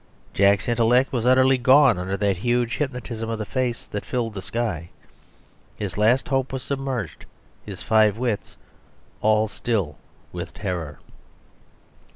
Jack's intellect was utterly gone under that huge hypnotism of the face that filled the sky; his last hope was submerged, his five wits all still with terror.